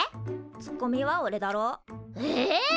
ツッコミはおれだろ？え？